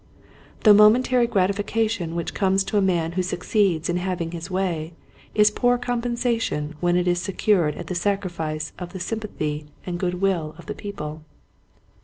The momentary gratification which comes to a man who succeeds in having his way is poor compensation when it is secured at the sacrifice of the sympathy and good 62 Quiet Hints to Growing Preachers. will of the people.